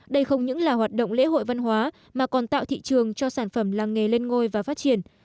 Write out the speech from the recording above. đây không những là hoạt động lễ hội văn hóa mà còn tạo thị trường cho sản phẩm làng nghề lên ngôi và phát triển